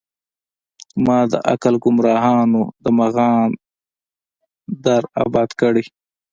مــــــــا د عـــــــقل ګــــمراهانو د مغان در اباد کړی